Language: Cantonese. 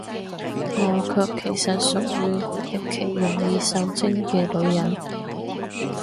我卻其實屬於，極其容易受精嘅女人